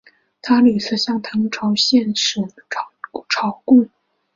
他屡次向唐朝遣使朝贡。